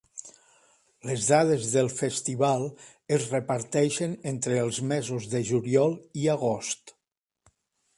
Les dades del festival es reparteixen entre els mesos de juliol i agost.